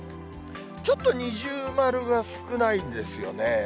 ちょっと二重丸が少ないんですよね。